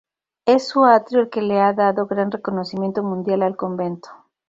Es su atrio el que le ha dado gran reconocimiento mundial al convento.